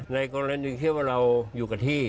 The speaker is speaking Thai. ในกรณีที่ว่าเราอยู่กับที่